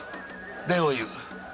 礼を言う。